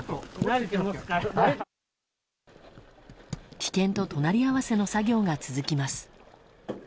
危険と隣り合わせの作業が続きます。